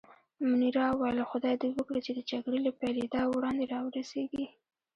منیرا وویل: خدای دې وکړي چې د جګړې له پېلېدا وړاندې را ورسېږي.